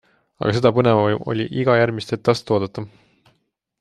Aga seda põnevam oli iga järgmist etteastet oodata.